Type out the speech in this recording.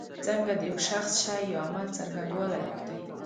څنګه د یو شخص شي یا عمل څرنګوالی پوښتی.